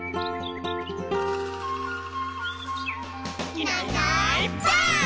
「いないいないばあっ！」